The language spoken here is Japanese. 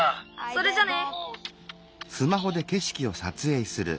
それじゃね！